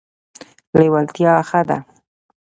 لیوالتیا ښه ده.